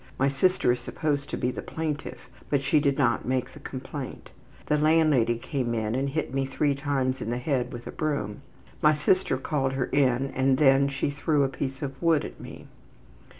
My sister is supposed to be the plaintiff, but she did not make the complaint. The landlady came in and hit me three times in the head with a broom. My sister called her in and then she threw a piece of wood after me.